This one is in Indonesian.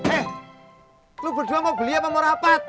eh gue berdua mau beli apa mau rapat